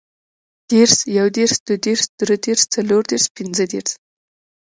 دېرس, یودېرس, دودېرس, درودېرس, څلوردېرس, پنځهدېرس